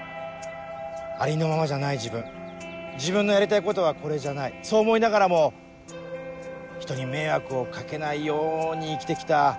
ありのままじゃない自分自分のやりたいことはこれじゃないそう思いながらもひとに迷惑を掛けないように生きて来た変態さんたちがね